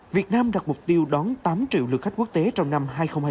việt nam đặt mục tiêu đón tám triệu lượt khách quốc tế trong năm hai nghìn hai mươi bốn